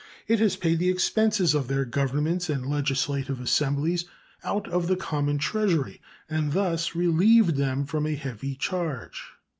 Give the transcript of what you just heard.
It has paid the expenses of their governments and legislative assemblies out of the common Treasury, and thus relieved them from a heavy charge.